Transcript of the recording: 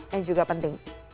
yang juga penting